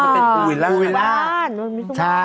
เป็นภูวิลล่า